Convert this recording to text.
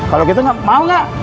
kalau gitu mau gak